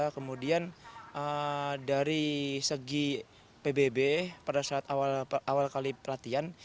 kemudian dari segi pbb pada saat awal kali pelatihan